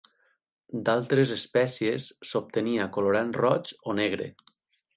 D'altres espècies s'obtenia colorant roig o negre.